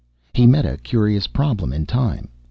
He met a curious problem in time.